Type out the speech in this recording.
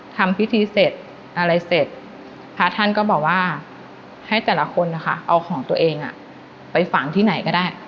ทำพิธีเสร็จอะไรเสร็จพระท่านก็บอกว่าให้แต่ละคนนะคะเอาของตัวเองไปฝังที่ไหนก็ได้